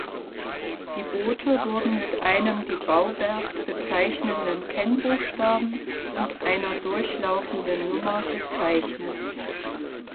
Die Boote wurden mit einem die Bauwerft bezeichnenden Kennbuchstaben und einer durchlaufenden Nummer bezeichnet.